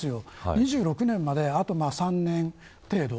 ２６年まであと３年程度。